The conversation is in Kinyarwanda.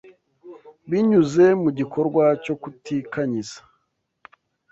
Binyuze mu gikorwa cyo kutikanyiza,